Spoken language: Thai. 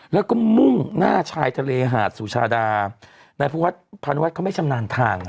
แล้วก็มุ่งหน้าชายทะเลหาดสุชาดานายพันวัดเขาไม่ชำนาญทาง